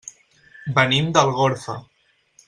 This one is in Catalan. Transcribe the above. Venim d'Algorfa.